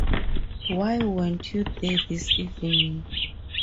Why weren't you there this evening?